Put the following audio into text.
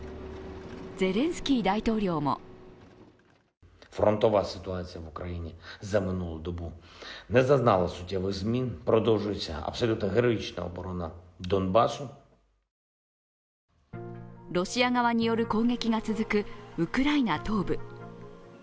ゼレンスキー大統領もロシア側による攻撃が続くウクライナ東部。